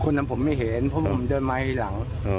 คนนั้นผมไม่เห็นผมาเหมือนเดินวายให้หลัง